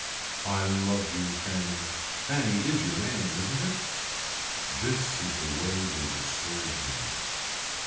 I love you Fanny Fanny is your name isn't it. This is they way they disturb him.